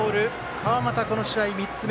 川又、この試合３つ目。